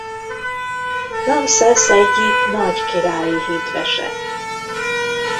Ramszesz egyik nagy királyi hitvese.